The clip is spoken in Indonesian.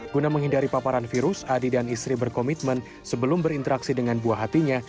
guna menghindari paparan virus adi dan istri berkomitmen sebelum berinteraksi dengan buah hatinya